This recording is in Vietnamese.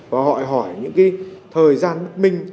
và hỏi hỏi những cái thời gian bất minh